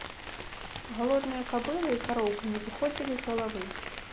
Галодная кабыла і кароўка не выходзілі з галавы.